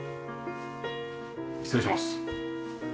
失礼します。